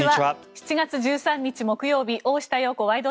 ７月１３日、木曜日「大下容子ワイド！